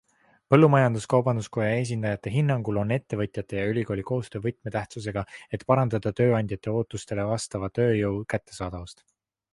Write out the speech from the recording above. Põllumajandus-Kaubanduskoja esindajate hinnangul on ettevõtjate ja ülikooli koostöö võtmetähtsusega, et parandada tööandjate ootustele vastava tööjõu kättesaadavust.